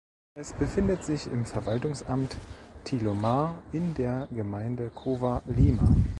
Es befindet sich im Verwaltungsamt Tilomar in der Gemeinde Cova Lima.